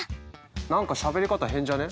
何かしゃべり方変じゃね？